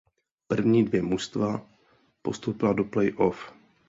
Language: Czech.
První dvě družstva postoupila do play off.